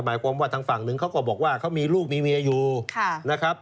หมายความว่าทางฝั่งหนึ่งเขาก็บอกว่าเขามีลูกมีเมียอยู่นะครับ